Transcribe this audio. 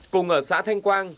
cùng ở xã thanh quang